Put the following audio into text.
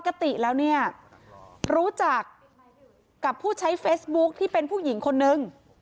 ปกติแล้วเนี่ยรู้จักกับผู้ใช้เฟซบุ๊คที่เป็นผู้หญิงคนนึง